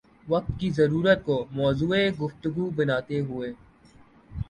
وقت کی ضرورت کو موضوع گفتگو بناتے ہوئے